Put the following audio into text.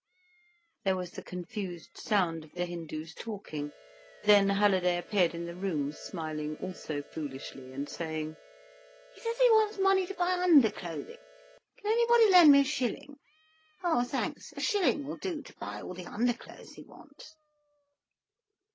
There was the confused sound of the Hindu's talking, then Halliday appeared in the room, smiling also foolishly, and saying: "He says he wants money to buy underclothing. Can anybody lend me a shilling? Oh thanks, a shilling will do to buy all the underclothes he wants."